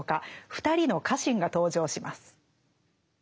２人の家臣が登場します。